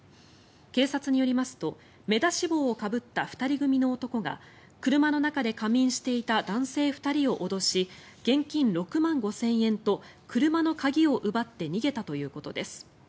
警察によりますと目出し帽をかぶった２人組の男が車の中で仮眠していた男性２人を脅し現金６万５０００円と車の鍵を奪って逃げたということです。